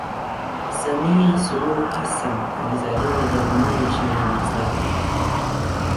Samia suluhu Hassan alizaliwa January ishirini na saba